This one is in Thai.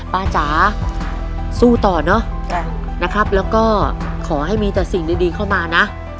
จ๋าสู้ต่อเนอะนะครับแล้วก็ขอให้มีแต่สิ่งดีเข้ามานะ